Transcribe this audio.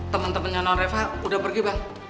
temen temennya nonreva udah pergi bang